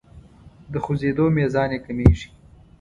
د خوځیدو میزان یې کمیږي.